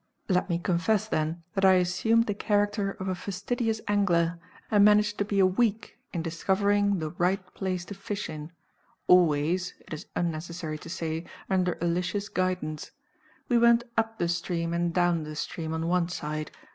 Let me confess, then, that I assumed the character of a fastidious angler, and managed to be a week in discovering the right place to fish in always, it is unnecessary to say, under Alicia's guidance. We went up the stream and down the stream, on one side.